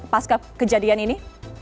pas kejadian ini